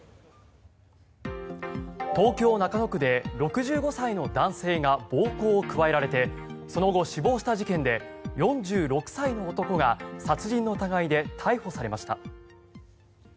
東京・中野区で６５歳の男性が暴行を加えられてその後、死亡した事件で４６歳の男が殺人の疑いで逮捕されました。